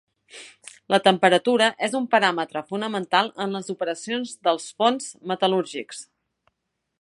La temperatura és un paràmetre fonamental en les operacions dels forns metal·lúrgics.